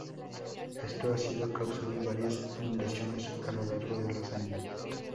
Esto ha sido causa de varias inundaciones a lo largo de los años.